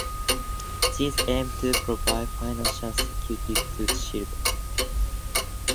These aim to provide financial security to children.